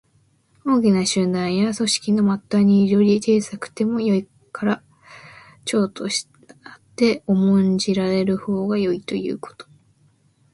大きな集団や組織の末端にいるより、小さくてもよいから長となって重んじられるほうがよいということ。